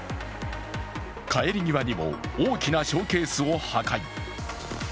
帰り際にも大きなショーケースを破壊。